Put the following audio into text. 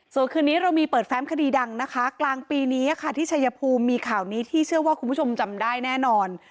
ส่วนคืนนี้เรามีเปิดแฟ้มคดีดังนะคะกลางปีนี้ค่ะที่ชายภูมิมีข่าวนี้ที่เชื่อว่าคุณผู้ชมจำได้แน่นอน